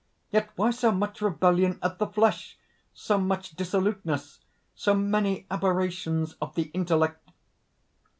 Yet why so much rebellion of the flesh, so much dissoluteness, so many aberrations of the intellect.